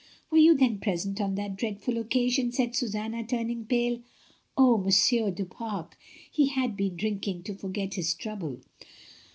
"Were you then present on that dreadful oca sion?" said Susanna, turning pale. "Oh! Mon sieur du Pare, he had been drinking to forget his trouble!"